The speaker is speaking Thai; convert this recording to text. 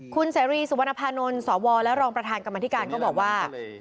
คุณเสรีสุวรรณภานนท์สวและรองประธานกรรมธิการก็บอกว่า